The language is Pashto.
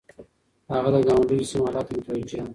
هغه د ګاونډيو سيمو حالاتو ته متوجه و.